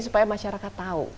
supaya masyarakat tahu